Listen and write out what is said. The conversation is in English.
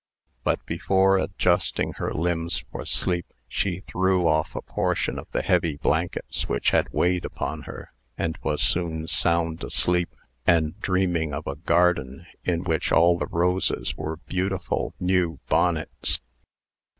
But, before adjusting her limbs for sleep, she threw off a portion of the heavy blankets which had weighed upon her, and was soon sound asleep, and dreaming of a garden in which all the roses were beautiful new bonnets.